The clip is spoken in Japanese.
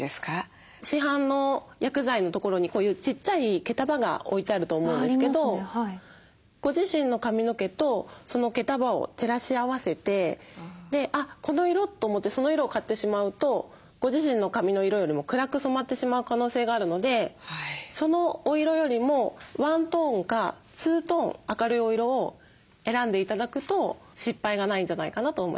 市販の薬剤のところにこういうちっちゃい毛束が置いてあると思うんですけどご自身の髪の毛とその毛束を照らし合わせてあっこの色！と思ってその色を買ってしまうとご自身の髪の色よりも暗く染まってしまう可能性があるのでそのお色よりも１トーンか２トーン明るいお色を選んで頂くと失敗がないんじゃないかなと思います。